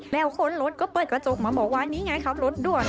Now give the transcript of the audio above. แล้วคนรถก็เปิดกระจกมาบอกว่านี่ไงขับรถด่วน